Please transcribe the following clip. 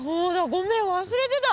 ごめん忘れてた。